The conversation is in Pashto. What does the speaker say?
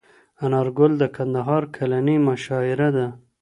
انارګل د کندهار کلنۍ مشاعره ده.